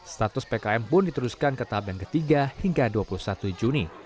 status pkm pun diteruskan ke tahap yang ketiga hingga dua puluh satu juni